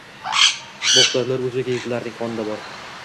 Bu xislatlar o‘zbek yigitlarining qonida bor.